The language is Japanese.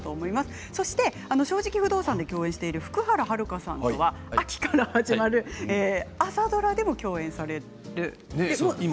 そして「正直不動産」で共演している福原遥さんとは秋から始まる朝ドラでも共演される。